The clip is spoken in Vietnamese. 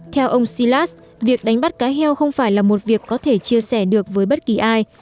theo ông silas việc đánh bắt cá heo không phải là một việc có thể chia sẻ được với bất kỳ ai